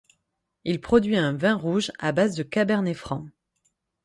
Il produit un vin rouge à base de cabernet franc.